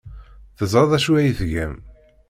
Teẓra d acu ay tgam.